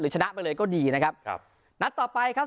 ชนะไปเลยก็ดีนะครับครับนัดต่อไปครับ